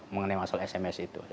mengenai masalah sms itu